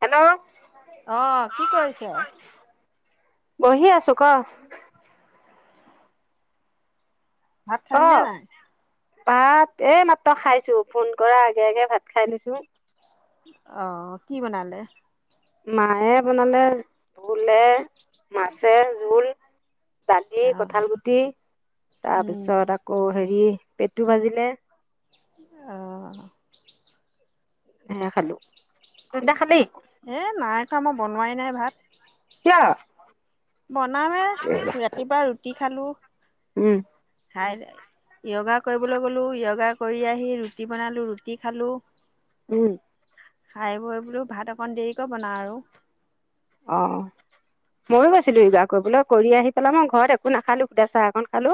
Hello অঁ, কি কৰিছে? বহি আছো, ক। ভাত ক খালি নে নাই। ভাত এ, মাত্ৰ খাইছো, ফোন কৰাৰ আগে- আগে, ভাত খাই লৈছো। অঁ, কি বনালে? মায়ে বনালে, ভোলে, মাছে, জোল দালি, কঠাল অ', গুটি, তাৰপিছত আকৌ হেৰি হেৰি, পেটো ভাজিলে। অঁ। [inaudible] সেয়া খালো তহঁতে খালি। মই বনোৱাই নাই ভাত। কিয়। বনাওঁ এ, ৰাতিপুৱা ৰুটি খালো উম খাই য়োগা কৰিবলৈ গ'লোঁ, য়োগা কৰি আহি ৰুটি বনালোঁ, ৰুটি খালোঁ। উম। খাই, বৈ বোলো, ভাত অকণ দেৰিকৈ বনাও আৰু। অঁ, ময়ো গৈছিলো য়োগা কৰিবলৈ কৰি আহি পেলাই মই ঘৰত একো নাখালো সুধা চাহকন খালো।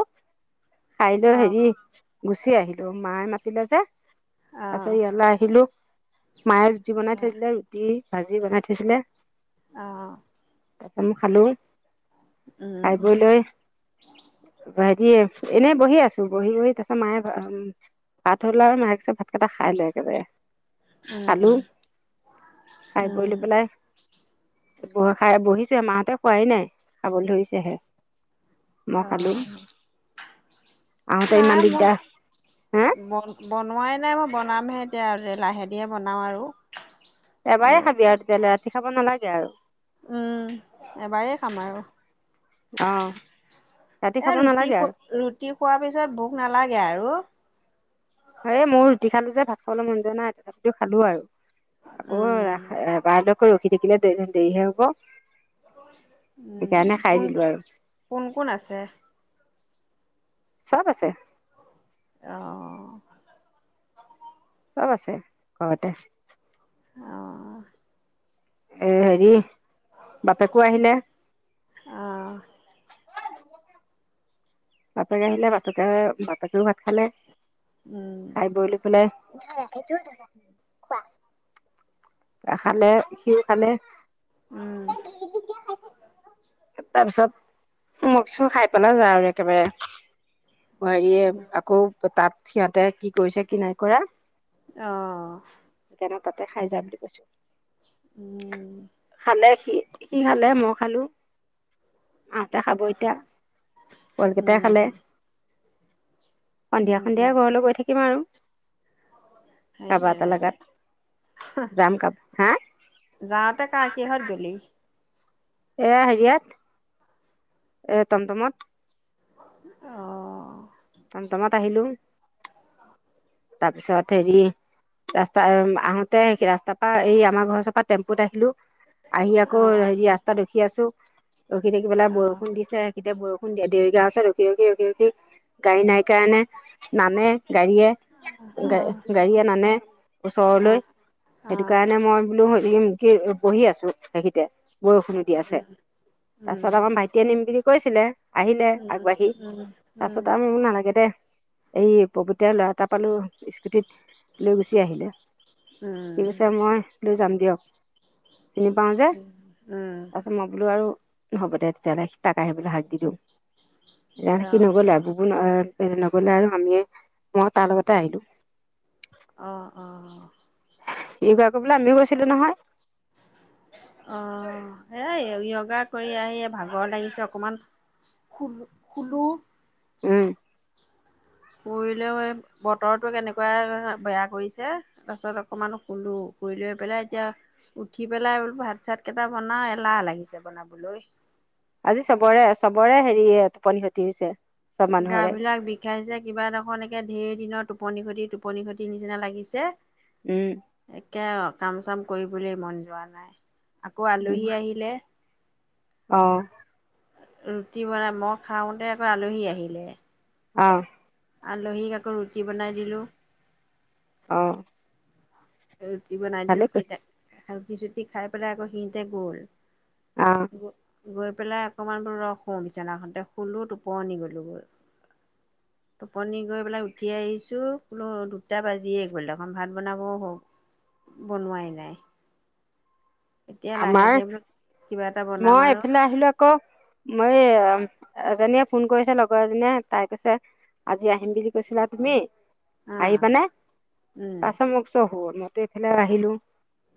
খাইলৈ, হেৰি অ'। গুচি আহিলো, মায়ে মাতিলে যে। তাৰ পিছত অ', ইয়ালৈ আহিলো, মায়ে ৰুটি বনাই থৈ দিলে, ৰুটি ভাজি বনাই থৈছিলে অঁ [unintelligible] মই খালো। খাই উম, বৈ লৈ দিয়ে, এনেই বহি আছো বহি-বহি তাৰ পিছত মায়ে উম, ভাত হ'ল আৰু মায়ে ভাত কেইটা খাই ল একেবাৰে। খালো, উম, খাই বৈ লৈ উম। পেলাই ব খাই বহিছে, মাহঁতে খোৱাই নাই, খাবলৈ ধৰিছেহে। মই অ', খালো। আহোতে নাই ইমান মোক দিগদাৰ, হে বন বনোৱাই নাই মই বনামহে এতিয়া লাহে ধিৰে বনাওঁ আৰু। এবাৰে বোলো খাবি আৰু তেতিয়াহ'লে ৰাতি খাব নালাগ গে আৰু। উম, এবাৰেই খাম আৰু অ ৰাতি এ খাব ৰুটি নালাগে খ আৰু ৰুটি খোৱাৰ পিছত ভোক নালাগে আৰু এই মইও ৰুটি খালো যে ভাত খাবলৈ মন যোৱা নাই, তথাপিতো খালো আৰু আকৌ ৰা উম এবাৰলৈ- [unintelligible] ৰখি থাকিলে দে দেৰি হে হ'ব। উম, সেইকাৰণে খাই কোন, দিলো আৰু কোন কোন আছে? চব আছে। অ! চব আছে ঘৰতে। অ এ হেৰি, বাপেকো আহিলে। অহ বাপেক আহিলে বাপেকে বা- ৰাতিৰ ভাত খালে, উম খাই বই লৈ পেলাই [unintelligible] খালে সি খালে উম [unintelligible] তাৰ পিছত মই কৈছোঁ খাই পেলাই যা আৰু একেবাৰে। হেৰিয়ে উম আকৌ ত তাত সিহঁতে কি কৰিছে, কি নাই কৰা অঁ! সেইকাৰণে তাতে খাই যা বুলি- কৈছোঁ উম! লে, সি, সি খালে মই খালো, মাহঁতে খাব এতিয়া। পোৱালিকেইটাই উম খালে সন্ধিয়া উম সন্ধিয়া উম ঘৰলে গৈ থাকিম আৰু কাৰোবাৰ এটা লগাত যাম কাব হা [unintelligible] যাওঁতে কাৰ কিহঁত গ'লি? এয়া হেৰিয়াত এ তম-তমত। অহ তম-তম'ত আহিলোং তাৰ পিছত হেৰি ৰাস্তা আহ আহোতে হে ৰাস্তাৰ পৰা এই আমাৰ ঘৰৰ ওচৰৰ পৰা টেম্পুত আহিলো। আহি আকৌ অ হেৰি ৰাস্তাত খি আছোঁ ৰখি থাকি পেলাই অ বৰষুণ দিছে। যেতিয়া বৰষুণ দিয়া দেৰিকে হৈছে ৰখি ৰখি ৰখি ৰখি গাড়ী নাই কাৰণে নানে গাড়ীয়ে গা অ গাড়ীয়ে নানে অ ওচৰলৈ অ সেইটো কাৰণে মই বোলো। [unintelligible] বহি আছো গোতেই কেইটাই বৰষুণো দি আছে উম তাৰ উম পিছত আমাৰ ভাইটিয়ে নিম বুলি। কৈছিলে। আহিলে উম আগবাঢ়ি উম তাৰপিছত উম আমি বোলো নালাগে দে। এই পবিতৰাৰ ল'ৰা। এটা পালোঁ। স্কুটিত লৈ গুচি আহিলে ঠিক উম আছে মই লৈ যাম। দিয়ক। চিনি পাওঁ যে উম, তাৰপিছত মই বোলো আৰু। হ'ব দে তেতিয়া হ'লে সি তাক আহিবলৈ হাক দি দিওঁ। না সি অ', নগলে আৰু বুবুন আহ। নগ'লে আৰু আমিয়ে। মইয়ো তাৰ লগতে আহিলো। অহ -অহ ই কয় আকৌ বোলে আমিও গৈছিলো নহয়। অ' সেই যোগা কৰি আহি ভাগৰ লাগিছে অকমান শু শুলো উম। পৰিলেও এই বতৰটো কেনেকুৱা বেয়া কৰিছে তাৰপাছত অকমান শুলো শুই লৈ পেলাই এতিয়া উঠি পেলাই বোলো ভাত চাত কেইটা বনাও এলাহ লাগিছে বনাবলৈ। আজি চবৰে চবৰে হেৰিয়ে টোপনি ক্ষতি হৈছে। চব গা মানুহৰে বিলাক বিষাইছে কিবা দেখোন। একে ধেৰ দিনৰ টোপনি খটি টোপনি খটি নিচিনা লাগিছে। উম তাকে আৰু কাম চাম কৰিবলৈ মন যোৱা নাই আকৌ আলহী আহিলে। অহ। ৰুটি বনাই মই খাওঁতে আকৌ আলহী আহিলে। অহ আলহীক আকৌ ৰুটি বনাই দিলোঁ অহ। ৰুটি বনাই দিলো সি তাক [unintelligible] ৰুটি চুটি খাই পেলাই আকৌ সিহঁতে গ'ল। অঁ, গৈ পেলাই অকণমান বোৰ ৰখোঁ বিচনাখনতে খোলোঁ টোপনি গ'লোঁ গে টোপনি গৈ পেলাই উঠি আহিছোঁ বোলো দুটা বাজিয়ে গ'ল দেখোন ভাত বনাবও হল। বনোৱাই নাই। এতিয়া লাহে আমাৰ ধীৰে বোলো কিবা এটা বনাম মই আৰু এইফালে আহিলো আকৌ মই আ এজনীয়ে ফোন কৰিছে লগৰ এজনীয়ে তাই কৈছে আজি আহিম বুলি কৈছিলা তুমি অঁ আহিবা নে? উম তাৰপিচত মোক চ [unintelligible] এইফালে আহিলো।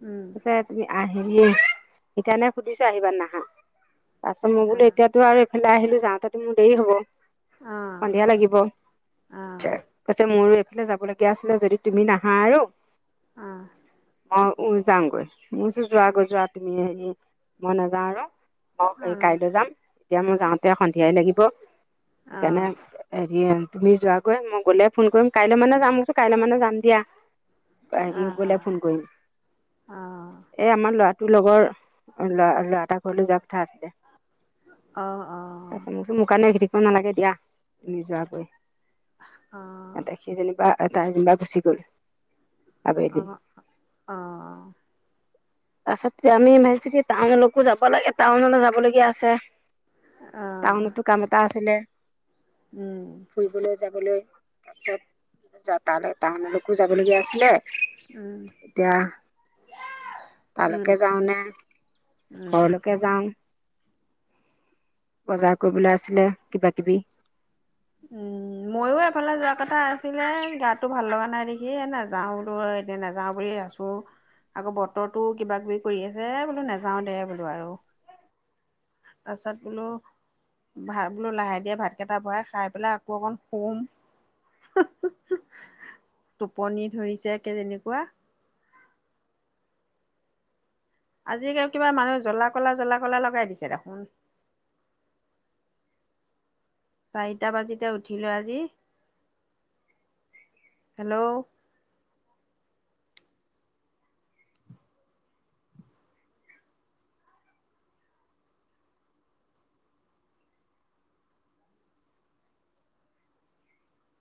উম পিছে তুমি আহি হেৰিয়ে সেইকাৰণে সুধিছো আহিবা নে নাহা? তাৰপিছত মই বোলে অঁ এতিয়াটো আৰু আহিলো যাওঁতেটো মোৰ দেৰি হ'ব। অঁ সন্ধিয়া লাগিব। অঁ পিছে মোৰো যাব লগীয়া আছিলে যদি তুমি নাহা আৰু অঁ। অ', উম যাওঁগৈ মোৰ যোৱা গৈ যোৱা তুমি হেৰি মই নাযাওঁ আৰু। অ', অঁ কাইলৈ যাম। এতিয়া মোৰ যাওঁতে সন্ধিয়াই লাগিব। সেইকাৰনে তুমি যোৱা গৈ মই গ'লে ফোন কৰিম কাইলৈ মানে যাম মই কৈছো কাইলৈ মানে যাম দিয়া। হেৰি অঁ গ'লে অঁ ফোন অঁ কৰিম। ল'ৰাটোৰ লগৰ ল'ৰা, ল'ৰা এটা ঘৰলৈ যোৱা কথা আছিলে। অঁ, অ'। তাৰপিছত মই কৈছো মোৰ কাৰণে ৰখি থাকিব নালাগে দিয়া তুমি যোৱাগৈ। অ', সি যেনিবা তাই জেনিবা গুচি গ'ল। আবেলি। অ', অ', তাৰপিছতে আমি ভাবিছো কি টাউনলৈকেও যাব লাগে টাউনলৈ যাবলগীয়া আছে। টাউনতো কাম এটা আছিলে। উম। [unintelligible] তালৈ টাউনলৈকো যাব লগীয়া আছিলে, উম, এতিয়া তালৈকে উম, যাওঁ নে, উম ঘৰলৈকে যাওঁ। [unintelligible] বজাৰ কৰিবলৈ আছিলে কিবা কিবি। উম ময়ো এফালে যোৱা কথা আছিলে গাটো ভাল লগা নাই দেখি এ নেযাও বোলো এতিয়া নাযাও বুলি আছো আকৌ বতৰৰতো কিবা কিবি কৰি আছে এ বোলো নাযাও দে বোলো আৰু, তাৰপিছত বোলো ভাবিলো লাহে ধীৰে ভাত কেইটা বহাই খাই পেলাই আকৌ অকন শুম, টোপনি ধৰিছে একে যেনেকুৱা। আজিকাল কিবা মানুহ জ্বলা কলা জ্বলা ক'লা লগাই দিছে দেখোন। চাৰিটা বাজিতে উঠিলো আজি। হেল্ল'।